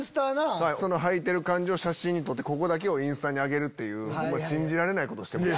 履いてる感じを写真に撮ってここだけをインスタに上げる信じられないことしてます。